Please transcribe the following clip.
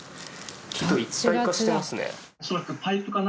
木と一体化してますね。